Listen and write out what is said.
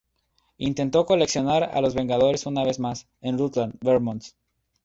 Intentó "coleccionar" a los Vengadores una vez más, en Rutland, Vermont.